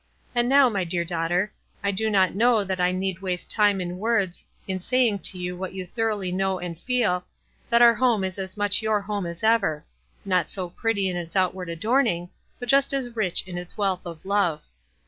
And now, my dear daughter, I do not know that I need waste time and words in saying to you what you thoroughly know and feel, that our home is as much } r our home as ever — not so pretty in its outward adorning, but just as rich in its w r ealth of love.